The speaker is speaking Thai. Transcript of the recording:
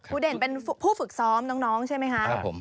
ครูเด่นเป็นผู้ฝึกซ้อมน้องใช่ไหมคะครับผม